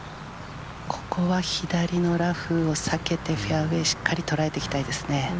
ここは左のラフを避けてフェアウエー、しっかり捉えていきたいですね。